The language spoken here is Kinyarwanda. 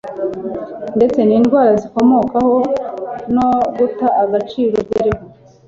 ndetse n'indwara zibikomokaho no guta agaciro byariho